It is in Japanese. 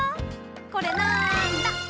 これなんだ？